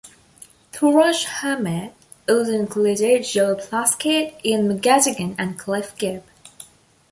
Thrush Hermit also included Joel Plaskett, Ian McGettigan and Cliff Gibb.